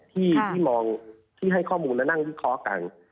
ที่มองที่ให้ข้อมูลและนั่งที่คล้อกัน